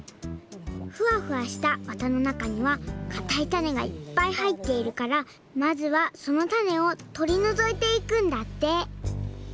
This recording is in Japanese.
ふわふわしたわたのなかにはかたいたねがいっぱいはいっているからまずはそのたねをとりのぞいていくんだって